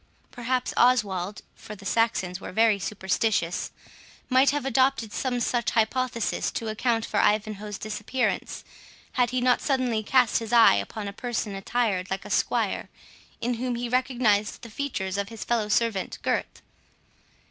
Perhaps Oswald (for the Saxons were very superstitious) might have adopted some such hypothesis, to account for Ivanhoe's disappearance, had he not suddenly cast his eye upon a person attired like a squire, in whom he recognised the features of his fellow servant Gurth.